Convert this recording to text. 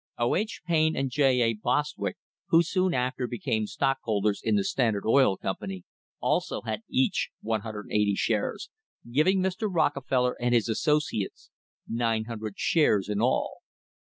O. H. Payne and J. A. Bost wick, who soon after became stockholders in the Standard Oil Company, also had each 180 shares, giving Mr. Rockefeller and his associates 900 shares in all.